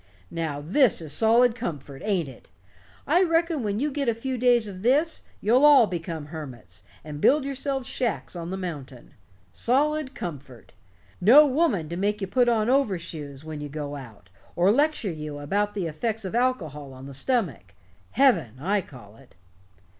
"Now, this is solid comfort, ain't it? I reckon when you get a few days of this, you'll all become hermits, and build yourselves shacks on the mountain. Solid comfort. No woman to make you put on overshoes when you go out, or lecture you about the effects of alcohol on the stomach. Heaven, I call it."